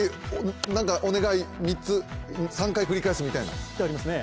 お願い、３回繰り返すみたいな。